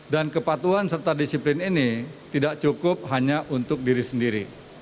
dan kepatuhan serta disiplin ini tidak cukup hanya untuk diri sendiri